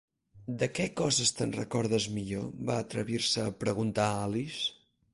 "De què coses t'en recordes millor?" va atrevir-se a preguntar Alice.